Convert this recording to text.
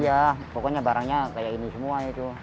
iya pokoknya barangnya kayak ini semua itu